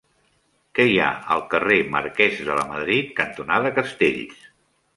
Què hi ha al carrer Marquès de Lamadrid cantonada Castells?